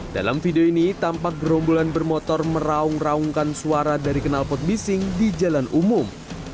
dalam video ini tampak gerombolan bermotor meraung raungkan suara dari kenalpot bising di jalan umum